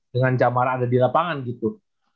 dengan camaran ada di lapangan gitu